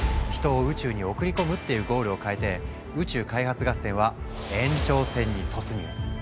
「人を宇宙に送り込む」っていうゴールをかえて宇宙開発合戦は延長戦に突入。